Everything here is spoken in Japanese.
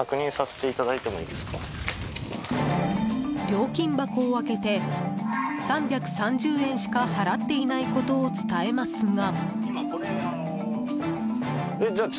料金箱を開けて、３３０円しか払っていないことを伝えますが。